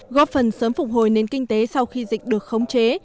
góp phần sớm phục hồi nền kinh tế sau khi dịch được khống chế